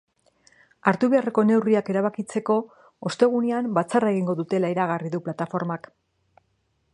Hartu beharreko neurriak erabakitzeko, ostegunean batzarra egingo dutela iragarri du plataformak.